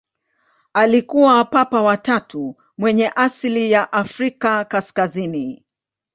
Alikuwa Papa wa tatu mwenye asili ya Afrika kaskazini.